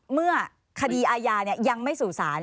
เมื่อคดีอายาเนี่ยยังไม่สู่สาร